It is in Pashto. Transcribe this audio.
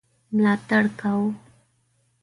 ملاتړ کاوه.